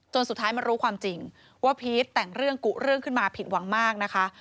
สุดท้ายมารู้ความจริงว่าพีชแต่งเรื่องกุเรื่องขึ้นมาผิดหวังมากนะคะ